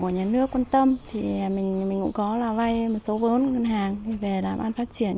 nhà nước quan tâm thì mình cũng có là vay một số vốn ngân hàng về làm ăn phát triển